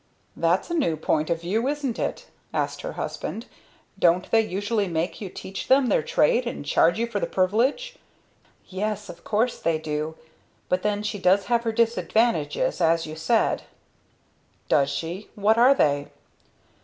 "That's a new point of view, isn't it?" asked her husband. "Don't they usually make you teach them their trade and charge for the privilege?" "Yes, of course they do. But then she does have her disadvantages as you said." "Does she? What are they?"